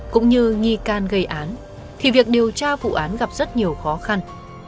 cũng như nghi can gây án thì việc điều tra vụ án gặp rất nhiều khó khăn